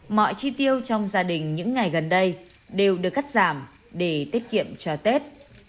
mọi chi tiêu trong gia đình những ngày gần đây đều được cắt giảm để tiết kiệm cho tết